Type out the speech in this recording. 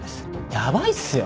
ヤバいっすよ。